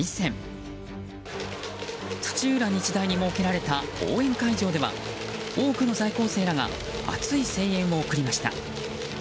日大に設けられた応援会場では多くの在校生らが熱い声援を送りました。